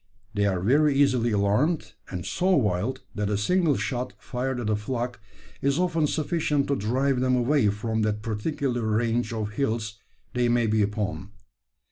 They are very easily alarmed, and so wild, that a single shot fired at a flock is often sufficient to drive them away from that particular range of hills they may be upon.